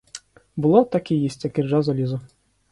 Було, так і їсть, як іржа залізо.